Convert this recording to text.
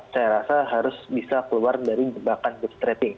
saya rasa harus bisa keluar dari jebakan bootstrapping